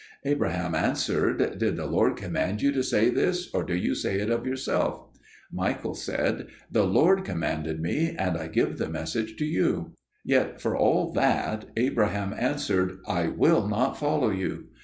Abraham answered, "Did the Lord command you to say this, or do you say it of yourself?" Michael said, "The Lord commanded me, and I give the message to you." Yet for all that Abraham answered, "I will not follow you."